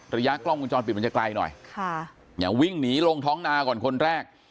กล้องวงจรปิดมันจะไกลหน่อยค่ะอย่าวิ่งหนีลงท้องนาก่อนคนแรก